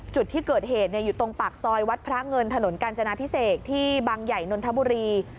จุดที่เกิดเหตุอยู่ตรงปากซอยวัดพระเงินถนนกาญจนาพิเศษที่บางใหญ่นนทบุรี